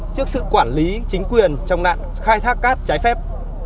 trước sự quản lý chính quyền trong nạn khai thác cát trái phép